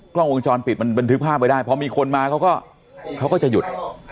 กล้องวงจรปิดมันถือภาพไปได้พอมีคนมาเขาก็เขาก็จะหยุด